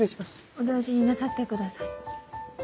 お大事になさってください。